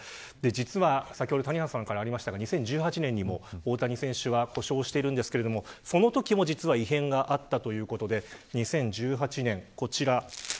実は、先ほど谷原さんからありましたが、２０１８年にも大谷選手は故障してるんですがそのときにも、実は異変があったということで２０１８年、こちら。